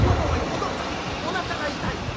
「おとっつぁんおなかが痛い」。